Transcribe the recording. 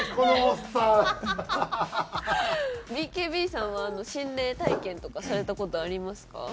ＢＫＢさんは心霊体験とかされた事ありますか？